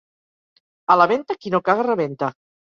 A la Venta, qui no caga rebenta.